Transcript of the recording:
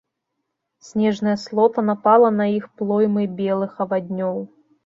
Снежная слота напала на іх плоймай белых аваднёў.